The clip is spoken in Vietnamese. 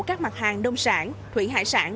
các mặt hàng đông sản thủy hải sản